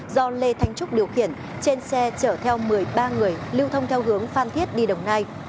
do lê thanh trúc điều khiển trên xe chở theo một mươi ba người lưu thông theo hướng phan thiết đi đồng nai